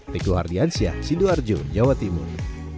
riko ardiansyah sidoarjo jawa timur